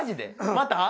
また？